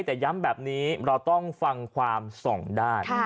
แต่ย้ำแบบนี้เราต้องฟังความสองด้าน